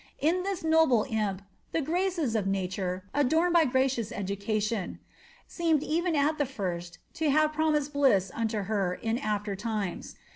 In this noble impy the graces of nature, adorned by gracious education, seemed even at tbe first to have promised bliss unto her in af\er times.